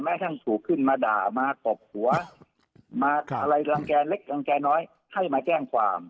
ทั้งถูกขึ้นมาด่ามากบหัวมาอะไรรังแก่เล็กรังแก่น้อยให้มาแจ้งความ